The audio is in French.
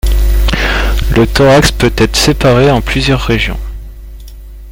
Le thorax peut être séparé en plusieurs régions.